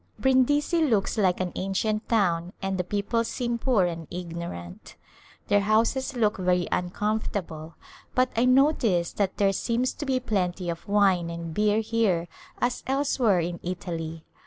Brindisi looks like an ancient town and the people seem poor and ignorant. Their houses look very uncomfortable, but I notice that there seems to be plenty of wine and beer here as elsewhere in Italy.